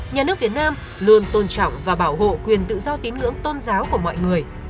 nhà nước việt nam luôn tôn trọng và bảo hộ quyền tự do tín ngưỡng tôn giáo của mọi người